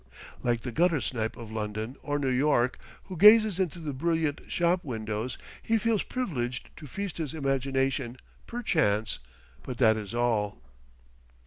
Like the gutter snipe of London or New York who gazes into the brilliant shop windows, he feels privileged to feast his imagination, perchance, but that is all.